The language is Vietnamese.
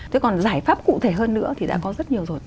thế còn giải pháp cụ thể hơn nữa thì đã có rất nhiều rồi